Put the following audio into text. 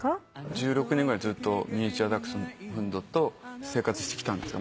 １６年ぐらいずっとミニチュアダックスフントと生活してきたんですよ。